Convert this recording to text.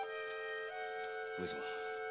上様